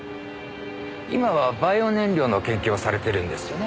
今はバイオ燃料の研究をされてるんですよね。